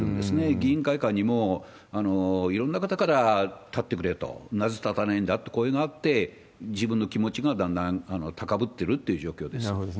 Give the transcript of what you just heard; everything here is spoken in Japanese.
議員会館にもいろんな方から立ってくれと、なぜ立たないんだ？という声があって、自分の気持ちがだんだん高ぶっているっていう状況です。